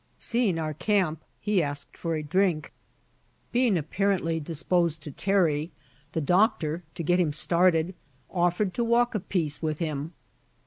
Seeing our camp, he asked for a drink. Being apparently disposed to tarry, the Doctor, to get him started, offered to walk a piece with him.